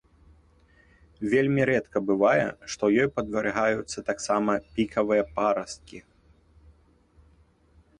Вельмі рэдка бывае, што ёй падвяргаюцца таксама пікавыя парасткаў.